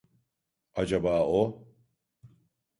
Acaba o…